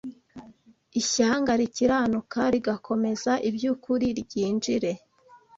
Ishyanga rikiranuka, rigakomeza iby’ukuri, ryinjire